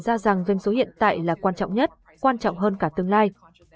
doanh số hiện tại là quan trọng nhất quan trọng hơn cả tương lai